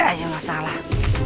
ada aja masalah